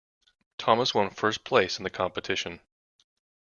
Thomas one first place in the competition.